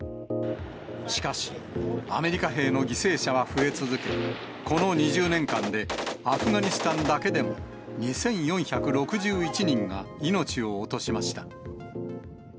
しかし、アメリカ兵の犠牲者は増え続け、この２０年間でアフガニスタンだけでも２４６１人が命を落としました。